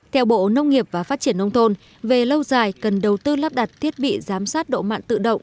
theo bộ nông nghiệp và phát triển nông thôn về lâu dài cần đầu tư lắp đặt thiết bị giám sát độ mặn tự động